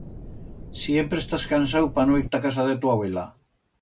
Siempre estás cansau pa no ir ta casa de tu avuela.